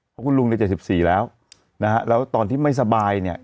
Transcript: เพราะคุณลุงได้เจ็บสิบสี่แล้วนะฮะแล้วตอนที่ไม่สบายเนี่ย